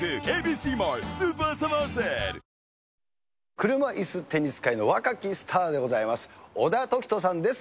車いすテニス界の若きスターでございます、小田凱人さんです。